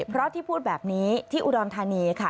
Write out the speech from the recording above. เพราะที่พูดแบบนี้ที่อุดรธานีค่ะ